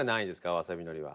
わさびのりは。